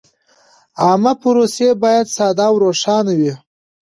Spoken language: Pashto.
عامه پروسې باید ساده او روښانه وي.